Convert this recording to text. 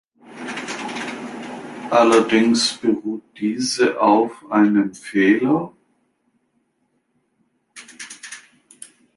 Allerdings beruht diese auf einem Fehler.